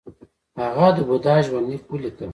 هغه د بودا ژوند لیک ولیکه